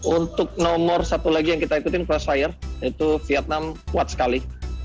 untuk nomor satu lagi yang kita ikutin frust fire yaitu vietnam kuat sekali